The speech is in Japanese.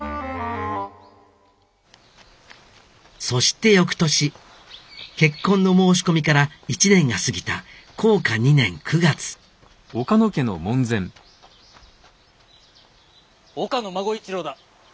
そしてよくとし結婚の申し込みから１年が過ぎた弘化２年９月岡野孫一郎だ。